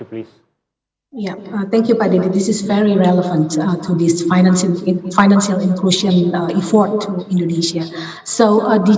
ya terima kasih pak adedi